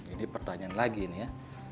ini pertanyaan lagi nih ya